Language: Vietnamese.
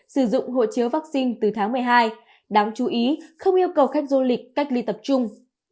sử dụng hộ chiếu vaccine từ tháng một mươi hai đáng chú ý không yêu cầu khách du lịch cách ly tập trung